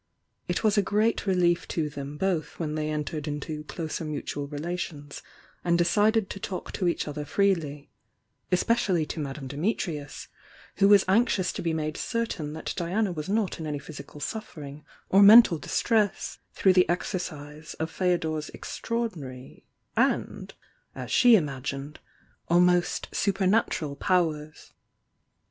It was a great relief to them both when they entered into closer mutual relations and decided to talk to each other freely— especially to Mads le Dimitrius, who was anxious to be made certain mat Diana was not in any physical suf fering or mental distress through the exercise of Feodor's extraordinary and, as she imagined, almost supernatural powers.